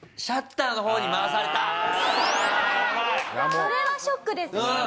それはショックですもんね。